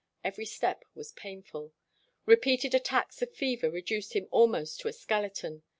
Every step was painful. Repeated attacks of fever reduced him almost to a skeleton.